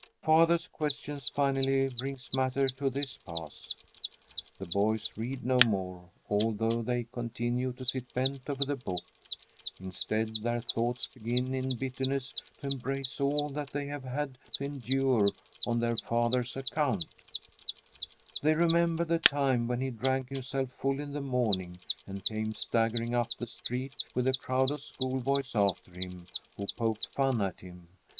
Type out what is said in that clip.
Father's questions finally bring matters to this pass: the boys read no more, although they continue to sit bent over the book. Instead, their thoughts begin in bitterness to embrace all that they have had to endure on their father's account. They remember the time when he drank himself full in the morning and came staggering up the street, with a crowd of school boys after him, who poked fun at him.